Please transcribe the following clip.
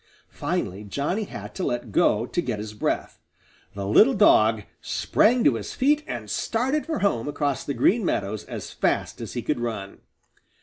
Finally Johnny had to let go to get his breath. The little dog sprang to his feet and started for home across the Green Meadows as fast as he could run.